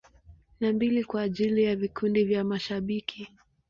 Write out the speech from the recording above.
Na mbili kwa ajili ya vikundi vya mashabiki.